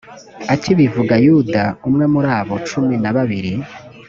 akibivuga yuda umwe muri abo cumi na babiri